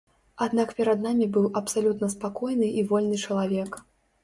Аднак перад намі быў абсалютна спакойны і вольны чалавек.